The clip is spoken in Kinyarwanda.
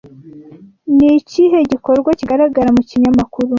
Ni ikihe gikorwa kigaragara mu kinyamakuru